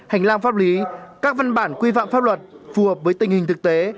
hành lang pháp lý các văn bản quy phạm pháp luật phù hợp với tình hình thực tế